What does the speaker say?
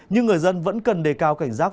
nhưng người dân vẫn cần đề cao cảnh giác